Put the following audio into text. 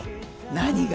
何が？